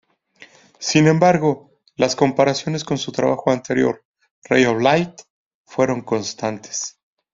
Sin embargo, las comparaciones con su trabajo anterior, "Ray of Light", fueron constantes.